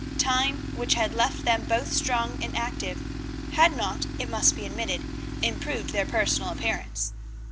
Time, which had left them both strong and active, had not, it must be admitted, improved their personal appearance.